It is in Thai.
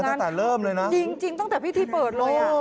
ตั้งแต่เริ่มเลยนะจริงจริงตั้งแต่พิธีเปิดเลยอ่ะ